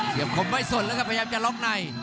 เขียบขมไม่ส่วนแล้วครับพยายามกับใน